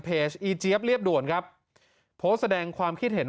อีเจี๊ยบเรียบด่วนครับโพสต์แสดงความคิดเห็น